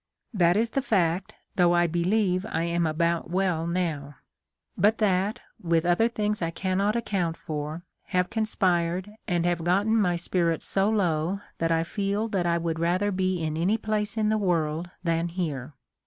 That is the fact, though I believe I am about well now ; but that, with other things I cannot account for, have conspired, and have gotten my spirits so low that I feel that I would rather be in any place in the world than here.